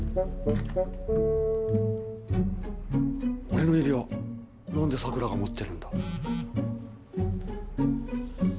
俺の指輪なんで桜が持ってるんだ？